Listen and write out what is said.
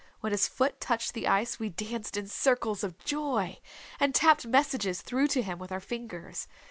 When his foot touched the ice we danced in circles of joy, and tapped messages through to him with our fingers.